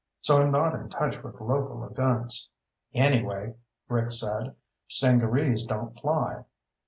So I'm not in touch with local events." "Anyway," Rick said, "stingarees don't fly."